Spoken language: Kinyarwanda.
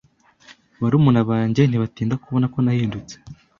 Barumuna banjye ntibatinda kubona ko nahindutse,